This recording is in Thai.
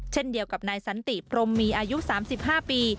เช่นเดียวกับนายสันติพรมมีอายุ๓๕ปี